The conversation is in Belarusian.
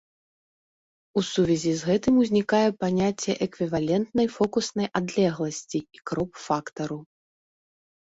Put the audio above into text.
У сувязі з гэтым узнікае паняцце эквівалентнай фокуснай адлегласці і кроп-фактару.